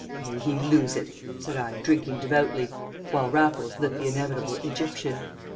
"May he lose it!" said I, drinking devoutly, while Raffles lit the inevitable Egyptian.